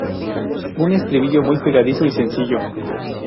Un estribillo muy pegadizo y sencillo.